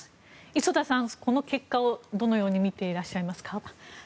磯田さん、この結果をどのように見ていますか？